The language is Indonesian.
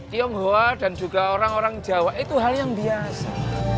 tionghoa dan juga orang orang jawa itu hal yang biasa